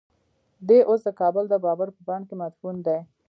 دی اوس د کابل د بابر په بڼ کې مدفون دی.